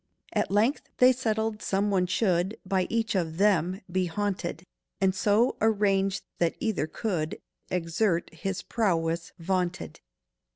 At length they settled some one should By each of them be haunted, And so arrange that either could Exert his prowess vaunted.